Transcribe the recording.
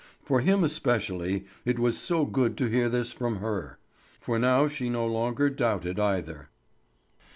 For him especially it was so good to hear this from her; for now she no longer doubted either.